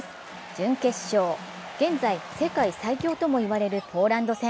準決勝、現在、世界最強ともいわれるポーランド戦。